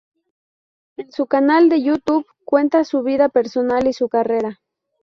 En su canal de YouTube cuenta su vida personal y su carrera.